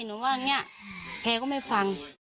หนูว่าอย่างนี้แกก็ไม่ฟัง